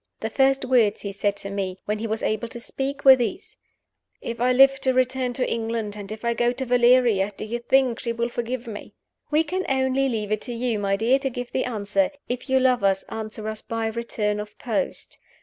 The first words he said to me, when he was able to speak, were these: 'If I live to return to England, and if I go to Valeria, do you think she will forgive me?' We can only leave it to you, my dear, to give the answer. If you love us, answer us by return of post.